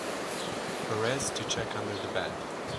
Perez to check under the bed.